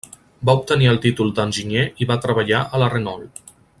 Va obtenir el títol d'enginyer i va treballar a la Renault.